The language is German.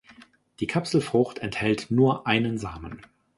Die Kapselfrucht enthält nur einen Samen.